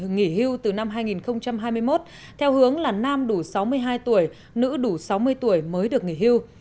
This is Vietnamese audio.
nghỉ hưu từ năm hai nghìn hai mươi một theo hướng là nam đủ sáu mươi hai tuổi nữ đủ sáu mươi tuổi mới được nghỉ hưu